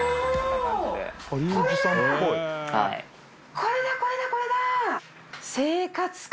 これだこれだこれだ。